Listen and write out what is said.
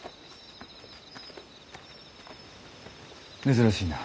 珍しいな。